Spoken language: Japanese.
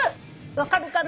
分かるかな？